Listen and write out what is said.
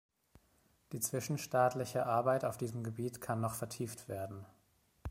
Die zwischenstaatliche Arbeit auf diesem Gebiet kann noch vertieft werden.